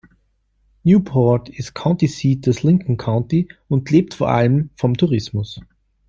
Newport ist County Seat des Lincoln County und lebt vor allem vom Tourismus.